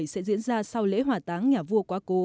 sẽ diễn ra sau lễ hỏa táng nhà vua quá cố